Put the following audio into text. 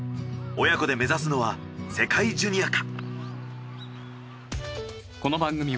親子で目指すのは世界ジュニアか。